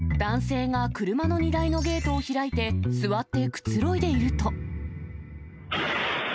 タイの町なか、男性が車の荷台のゲートを開いて、座ってくつろいでいると。